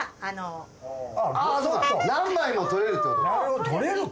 何枚もとれるってことか。